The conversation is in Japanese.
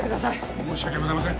申し訳ございません